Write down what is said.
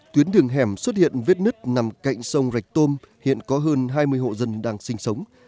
tuyến đường hẻm xuất hiện vết nứt nằm cạnh sông rạch tôm hiện có hơn hai mươi hộ dân đang sinh sống